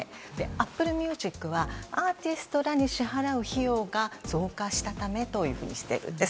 アップルミュージックはアーティストらに支払う費用が増加したためとしているんです。